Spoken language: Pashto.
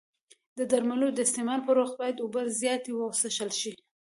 د درملو د استعمال پر وخت باید اوبه زیاتې وڅښل شي.